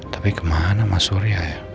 tapi kemana mas surya ya